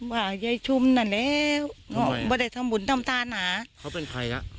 ว่ายายชุมนั่นแล้วไม่ได้ทำบุญทำตาหนาเขาเป็นใครอ่ะ